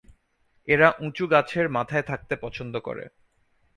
এরা উঁচু গাছের মাথায় থাকতে পছন্দ করে।